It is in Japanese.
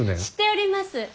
知っております。